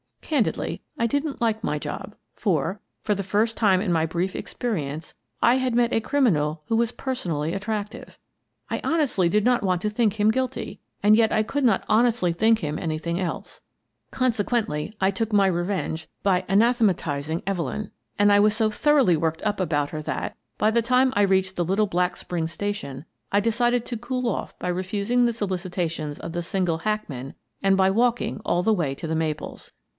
Candidly, I didn't like my job, for (for the first time in my brief experience) I had met a criminal who was personally attractive. I honestly did not want to think him guilty, and yet I could not honestly think him anything else. Con sequently, I took my revenge by anathematizing Evelyn, and I was so thoroughly worked up about her that, by the time I reached the little Black Springs station, I decided to cool off by refusing the solicitations of the single hackman and by walking all the way to " The Maples."